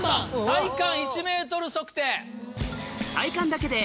「体感１ｍ測定」。